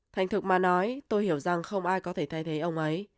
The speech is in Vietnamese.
thành thực mà nói tôi hiểu rằng không ai có thể thay thế ông ấy